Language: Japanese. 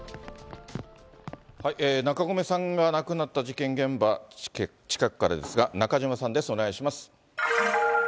中込さんが亡くなった事件現場近くからですが、中島さんです、お願いします。